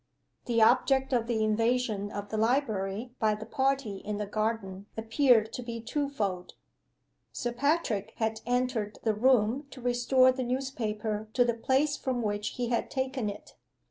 THE object of the invasion of the library by the party in the garden appeared to be twofold. Sir Patrick had entered the room to restore the newspaper to the place from which he had taken it.